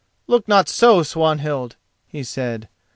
"Look not so, Swanhild," he said.